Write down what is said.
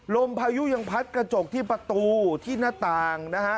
พายุยังพัดกระจกที่ประตูที่หน้าต่างนะฮะ